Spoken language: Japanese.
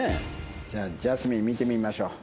じゃあジャスミン見てみましょう。